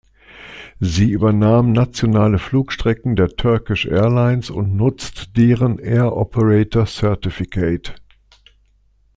Sie übernahm nationale Flugstrecken der Turkish Airlines und nutzt deren Air Operator Certificate.